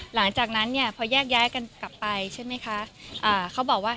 หลังจากนั้นเนี่ยพอแยกย้ายกันกลับไปใช่ไหมคะอ่าเขาบอกว่า